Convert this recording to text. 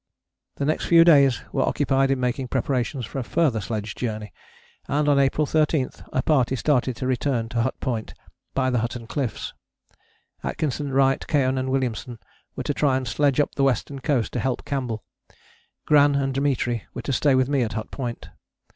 The next few days were occupied in making preparations for a further sledge journey, and on April 13 a party started to return to Hut Point by the Hutton Cliffs. Atkinson, Wright, Keohane and Williamson were to try and sledge up the western coast to help Campbell: Gran and Dimitri were to stay with me at Hut Point.